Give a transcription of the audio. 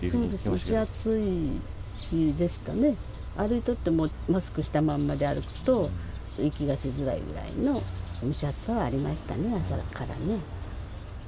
蒸し暑いですかね、歩いていても、マスクしたままで歩くと、息がしづらいぐらいの蒸し暑さはありましたね、朝からね。